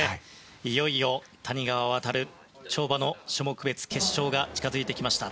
いよいよ谷川航、跳馬の種目別決勝が近づいてきました。